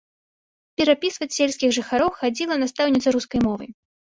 Перапісваць сельскіх жыхароў хадзіла настаўніца рускай мовы.